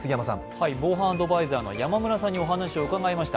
防犯アドバイザーの山村さんにお話を伺いました。